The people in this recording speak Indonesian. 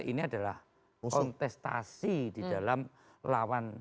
ini adalah kontestasi di dalam lawan